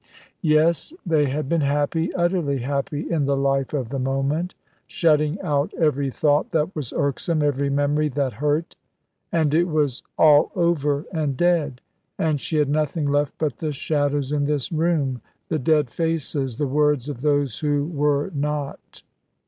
Yes, they had been happy, utterly happy in the life of the moment, shutting out every thought that was irksome, every memory that hurt. And it was all over and dead, and she had nothing left but the shadows in this room, the dead faces, the words of those who were not.